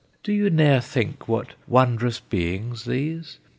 "Do you ne'er think what wondrous beings these?